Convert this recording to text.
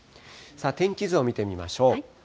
天気図を見てみましょう。